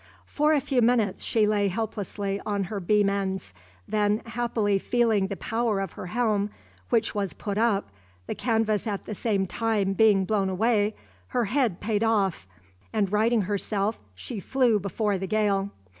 For a few minutes she lay helplessly on her beam ends, then happily feeling the power of her helm, which was put up, the canvas at the same time being blown away, her head paid off, and righting herself she flew before the gale.